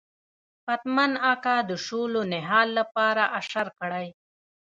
پتمن اکا د شولو نهال لپاره اشر کړی.